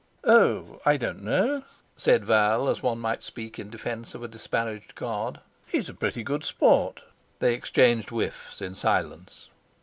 "Oh! I don't know," said Val, as one might speak in defence of a disparaged god; "he's a pretty good sport." They exchanged whiffs in silence.